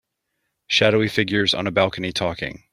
Shadowy figures on a balcony talking.